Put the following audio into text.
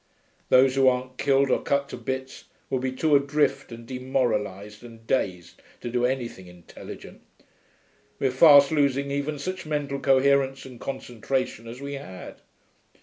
Those who aren't killed or cut to bits will be too adrift and demoralised and dazed to do anything intelligent. We're fast losing even such mental coherence and concentration as we had.